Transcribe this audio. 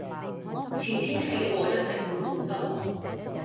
前天起我一直悶悶不樂